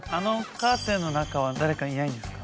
カーテンの中は誰かいないんですか？